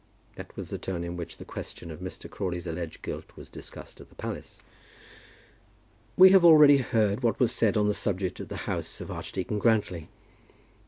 That was the tone in which the question of Mr. Crawley's alleged guilt was discussed at the palace. We have already heard what was said on the subject at the house of Archdeacon Grantly.